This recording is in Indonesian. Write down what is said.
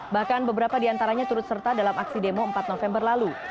bahkan beberapa di antaranya turut serta dalam aksi demo empat november lalu